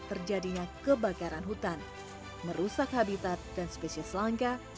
terjadinya kebakaran hutan merusak habitat dan spesies langka